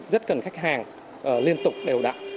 rất cần khách hàng liên tục đều đặn